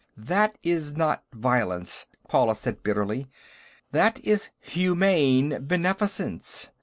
"That is not violence," Paula said bitterly. "That is humane beneficence.